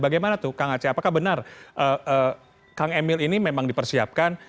bagaimana tuh kang aceh apakah benar kang emil ini memang dipersiapkan